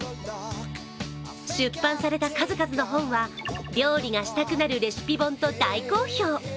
出版された数々の本は料理がしたくなるレシピ本と大好評。